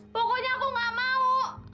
pokoknya aku gak mau